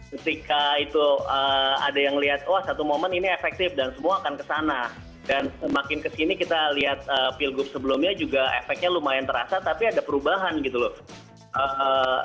ketika itu ada yang lihat wah satu momen ini efektif dan semua akan kesana dan semakin kesini kita lihat pilgub sebelumnya juga efeknya lumayan terasa tapi ada perubahan gitu loh